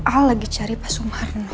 ah lagi cari pak sumarno